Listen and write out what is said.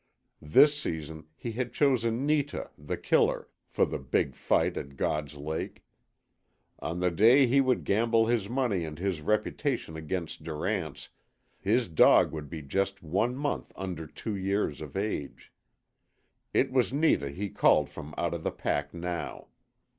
This season he had chosen Netah ("The Killer") for the big fight at God's Lake. On the day he would gamble his money and his reputation against Durant's, his dog would be just one month under two years of age. It was Netah he called from out of the pack now.